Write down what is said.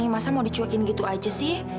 masa mau dicuekin gitu aja sih